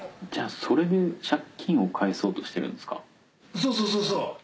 「そうそうそうそう」